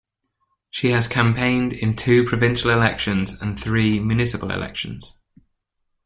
She has campaigned in two provincial elections and three municipal elections.